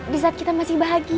di saat kita masih bahagia